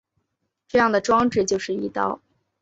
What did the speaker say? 这样的装置就是翼刀。